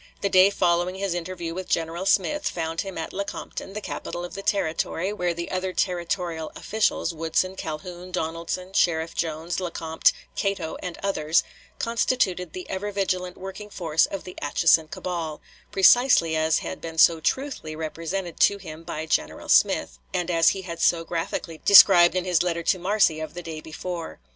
The day following his interview with General Smith found him at Lecompton, the capital of the Territory, where the other territorial officials, Woodson, Calhoun, Donaldson, Sheriff Jones, Lecompte, Cato, and others, constituted the ever vigilant working force of the Atchison cabal, precisely as had been so truthfully represented to him by General Smith, and as he had so graphically described in his letter to Marcy of the day before.